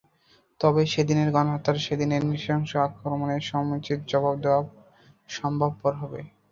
তবেই সেদিনের গণহত্যার, সেদিনের নৃশংস আক্রমণের সমুচিত জবাব দেওয়া সম্ভবপর হবে।